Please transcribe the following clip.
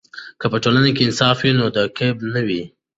که په ټولنه کې انصاف وي، نو دوکې نه وي.